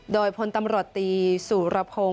โดยพลตำรวจตีสุรพงศ์